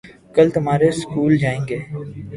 کل تمہارے سکول جائیں گے